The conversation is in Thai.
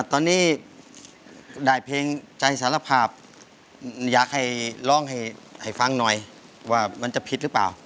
ตอนนี้ได้เพลงใจสารภาพอยากให้ร้องให้ฟังหน่อยว่ามันจะผิดหรือเปล่า